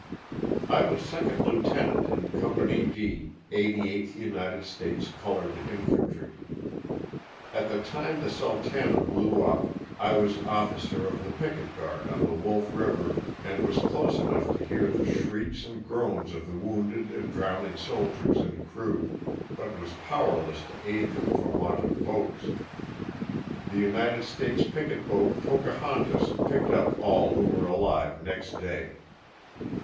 T WAS second lieutenant in Company D, 88th United ^ States Colored Infantry. At the time the *' Sultana" blew up I was officer of the picket guard on the Wolf river and was close enough to hear the shrieks and groans of the wounded and drowning soldiers and crew, but was powerless to aid them for want of boats. The United States picket boat *^ Pocahontas " picked up all who were alive next day.